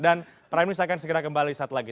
dan prime news akan segera kembali saat lagi